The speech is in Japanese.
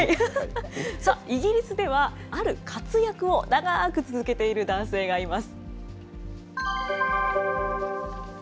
イギリスでは、ある活躍を長く続けている男性がいます。